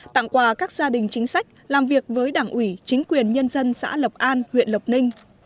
tặng quà các gia đình chính sách làm việc với đảng ủy chính quyền nhân dân xã lộc an huyện lộc ninh